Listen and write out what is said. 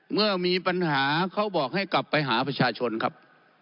เมื่อมีปัญหาเขาบอกให้กลับไปหาประชาชนครับ